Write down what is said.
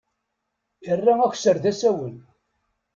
Irra akesser d asawen.